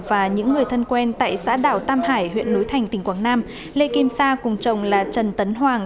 và những người thân quen tại xã đảo tam hải huyện núi thành tỉnh quảng nam lê kim sa cùng chồng là trần tấn hoàng